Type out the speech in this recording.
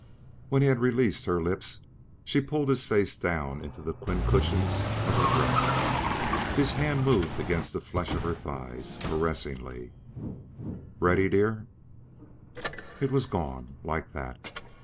When he had released her lips, she pulled his face down into the twin cushions of her breasts. His hand moved against the flesh of her thighs, caressingly... "Ready, dear?" It was gone. Like that.